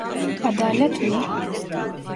Adalet mi?